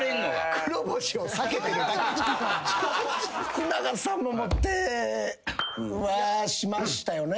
福永さんもモテはしましたよね